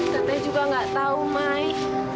tete juga enggak tahu mai